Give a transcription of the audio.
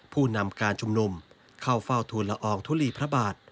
ผู้นำการชุมนุมเข้าเฝ้าทูลละอองทุลีพระบาท